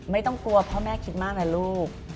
ไม่ต้องกลัวพ่อแม่คิดมากนะลูก